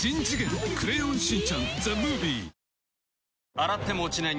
洗っても落ちない